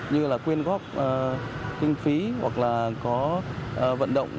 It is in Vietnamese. như là quyên góp kinh phí hoặc là có vận động